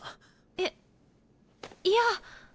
えっいや。